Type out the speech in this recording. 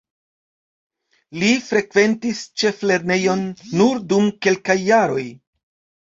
Li frekventis ĉeflernejon nur dum kelkaj jaroj.